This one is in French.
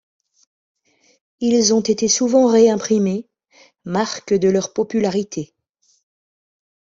Ils ont été souvent réimprimés, marque de leur popularité.